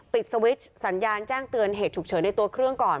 สวิตช์สัญญาณแจ้งเตือนเหตุฉุกเฉินในตัวเครื่องก่อน